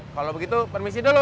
kalau begitu permisi dulu